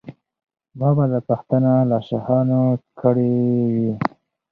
ما به دا پوښتنه له شاهانو کړې وي.